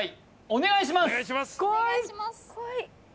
お願いします